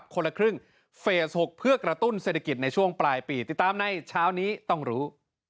คนละครึ่งเฟส๖เพื่อกระตุ้นเศรษฐกิจในช่วงปลายปีติดตามในเช้านี้ต้องรู้